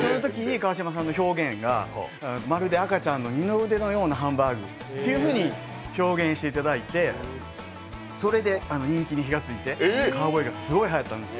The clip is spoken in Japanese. そのときに川島さんの表現がまるで赤ちゃんの二の腕のようなハンバーグと表現していただいて、それで人気に火がついてかうぼーいがすごいはやったんです。